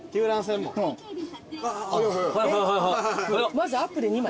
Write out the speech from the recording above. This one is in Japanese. まずアップで２枚。